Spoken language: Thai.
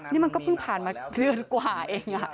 นี่มันก็เพิ่งผ่านมาเดือนกว่าเอง